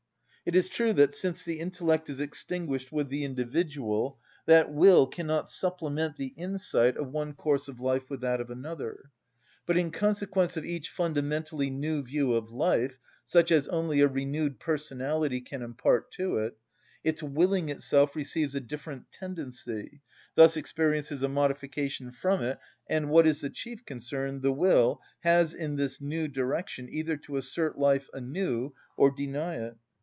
It is true that, since the intellect is extinguished with the individual, that will cannot supplement the insight of one course of life with that of another. But in consequence of each fundamentally new view of life, such as only a renewed personality can impart to it, its willing itself receives a different tendency, thus experiences a modification from it, and what is the chief concern, the will, has, in this new direction, either to assert life anew or deny it.